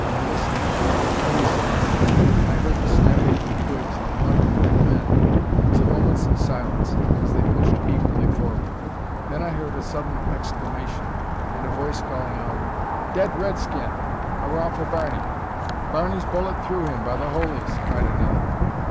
I listened to every sound; I heard the snapping of the twigs and the muttering of the men. There was a moment's silence as they pushed eagerly forward. Then I heard a sudden exclamation, and a voice calling out "Dead red skin! Hurrah for Barney!" "Barney's bullet through him, by the holies!" cried another.